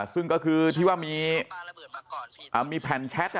ซึ่งก็คือที่ว่ามีแผ่นแชท